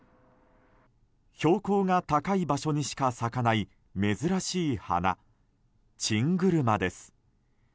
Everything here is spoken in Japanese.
標高が高い場所にしか咲かない珍しい花、チングルマです。